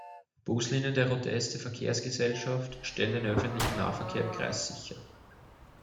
Buslinien der "Rodoeste"-Verkehrsgesellschaft stellen den öffentlichen Nahverkehr im Kreis sicher.